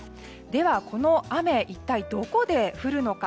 では、この雨一体どこで降るのか。